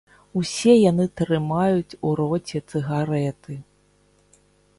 Усе яны трымаюць у роце цыгарэты.